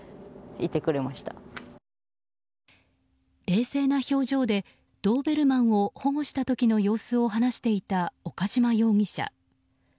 冷静な表情で、ドーベルマンを保護した時の様子を話していた岡島容疑者。